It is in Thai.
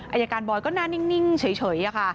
อายการบอยก็หน้านิ่งเฉยค่ะ